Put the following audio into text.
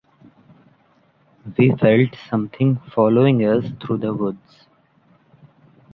We felt something following us through the woods.